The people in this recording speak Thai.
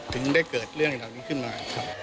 ถึงได้เกิดเรื่องอยู่ตรงนี้ขึ้นมา